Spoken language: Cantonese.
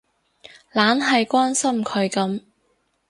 懶係關心佢噉